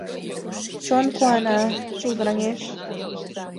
Чон куана, шулдыраҥеш.